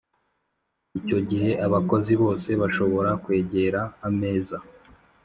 Icyo gihe abakozi bose bashobora kwegera ameza